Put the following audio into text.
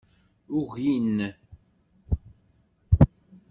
Ugin.